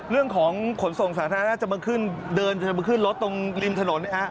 เรื่องของขนส่งสาธารณะจะมาขึ้นรถตรงริมถนน